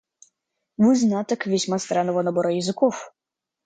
Вы знаток весьма странного набора языков.